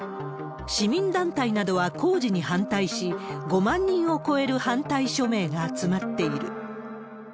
市民団体などは工事に反対し、５万人を超える反対署名が集まっている。